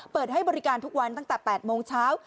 เปิดให้บริการทุกวันตั้งแต่๘โมงเช้า